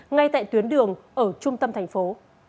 ngay tại tuyến đường ở trung tâm thành phố